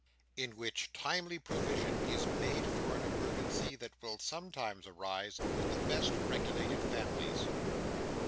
In which Timely Provision is made for an Emergency that will sometimes arise in the best regulated Families.